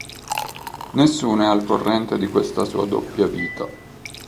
Nessuno è al corrente di questa sua doppia vita.